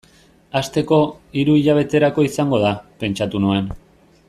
Hasteko, hiru hilabeterako izango da, pentsatu nuen.